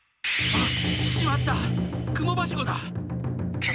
あっ！